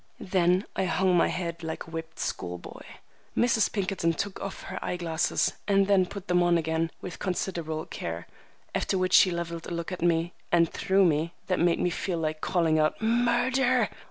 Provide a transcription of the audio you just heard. Then I hung my head like a whipped school boy. Mrs. Pinkerton took off her eye glasses, and then put them on again with considerable care; after which she leveled a look at me and through me that made me feel like calling out "Murder!"